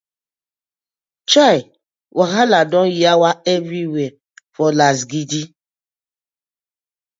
Chei, wahala don yawa everywhere for lasgidi.